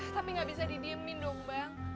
tapi gak bisa didiemin dong bang